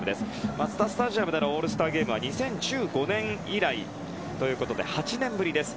マツダスタジアムでのオールスターゲームは２０１５年以来ということで８年ぶりです。